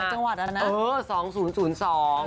ที่ไปคอนเสิร์ตต่างจังหวัดอะนะเออ๒๐๐๒